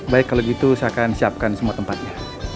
baik kalau gitu saya akan siapkan semua tempatnya